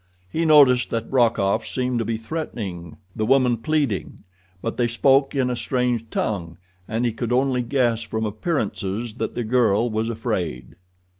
He noticed that Rokoff seemed to be threatening, the woman pleading; but they spoke in a strange tongue, and he could only guess from appearances that the girl was afraid.